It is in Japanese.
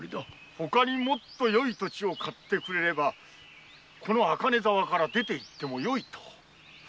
ほかにもっとよい土地を買ってくれれば赤根沢から出て行ってもよいと。